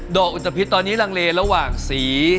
อุตภิษตอนนี้ลังเลระหว่างสี